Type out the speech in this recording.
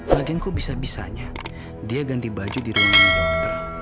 lagian kok bisa bisanya dia ganti baju di ruangannya dokter